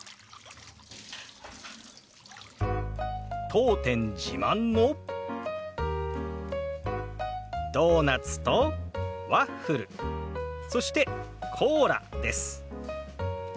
当店自慢のドーナツとワッフルそしてコーラです。